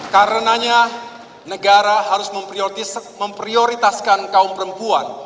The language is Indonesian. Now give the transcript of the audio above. karenanya negara harus memprioritaskan kaum perempuan